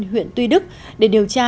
huyện tuy đức để điều tra